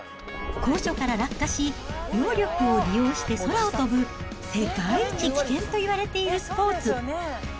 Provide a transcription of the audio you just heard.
高所から落下し、揚力を利用して空を飛ぶ世界一危険といわれているスポーツ。